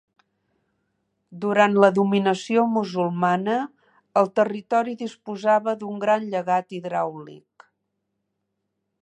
Durant la dominació musulmana el territori disposava d'un gran llegat hidràulic.